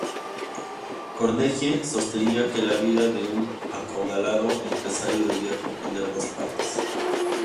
Carnegie sostenía que la vida de un acaudalado empresario debía comprender dos partes.